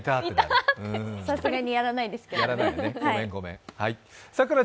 さすがにやらないですけど。